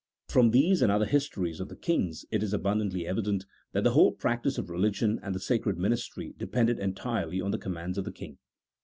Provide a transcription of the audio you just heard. , From these and other histories of the kings it is abun dantly evident, that the whole practice of religion and the sacred ministry depended entirely on the commands of the king.